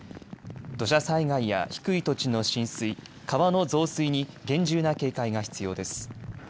土砂災害や低い土地の浸水、川の増水に厳重な警戒が必要です。